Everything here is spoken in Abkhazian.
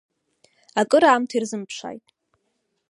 Акыраамҭа ирзымԥшааит.